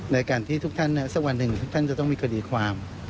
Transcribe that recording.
ในการที่ทุกท่านสักวันหนึ่งทุกท่านจะต้องมีคดีความ